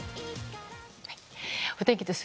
お天気です。